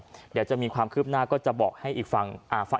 เดี๋ยวจะมีความคืบหน้าก็จะบอกให้อีกฟัง